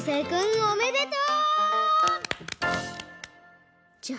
おめでとう！